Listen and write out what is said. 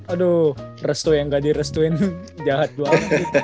aduh restu yang gak direstuin jahat banget